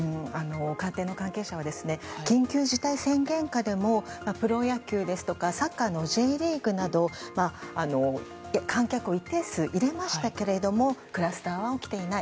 官邸の関係者は緊急事態宣言下でもプロ野球ですとかサッカーのＪリーグなど観客を一定数入れましたけれどもクラスターは起きていない。